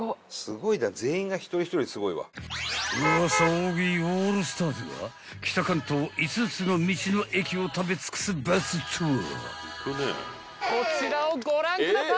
［ウワサ大食いオールスターズが北関東５つの道の駅を食べ尽くすバスツアー］